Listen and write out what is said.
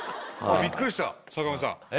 びっくりした坂上さん。